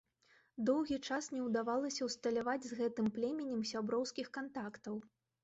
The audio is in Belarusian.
Доўгі час не ўдавалася ўсталяваць з гэтым племем сяброўскіх кантактаў.